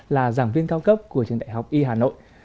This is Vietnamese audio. là giảng viên cao cấp của trường đại học y hà nội